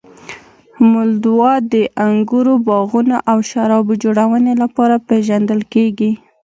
مولدوا د انګورو باغونو او شرابو جوړونې لپاره پېژندل کیږي.